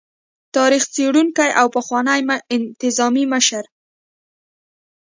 تاريخ څيړونکي او پخواني انتظامي مشر